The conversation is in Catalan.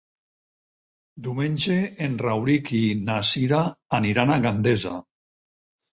Diumenge en Rauric i na Cira aniran a Gandesa.